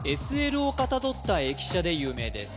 ＳＬをかたどった駅舎で有名です